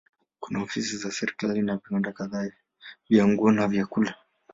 Kuna ofisi za serikali na viwanda kadhaa vya nguo na vyakula.